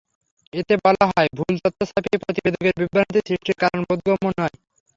এতে বলা হয়, ভুল তথ্য ছাপিয়ে প্রতিবেদকের বিভ্রান্তি সৃষ্টির কারণ বোধগম্য নয়।